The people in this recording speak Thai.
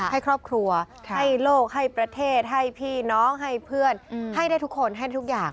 ให้ครอบครัวให้โลกให้ประเทศให้พี่น้องให้เพื่อนให้ได้ทุกคนให้ทุกอย่าง